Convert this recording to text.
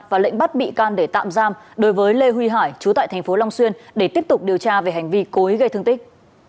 và lệnh bắt bị can để tạm giam đối với lê huy hải trú tại thành phố long xuyên để tiếp tục điều tra về hành vi cố ý gây thương tích